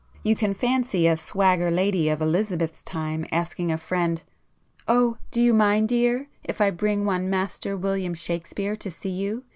You can fancy a 'swagger' lady of Elizabeth's time asking a friend—'O do you mind, my dear, if I bring one Master William Shakespeare to see you?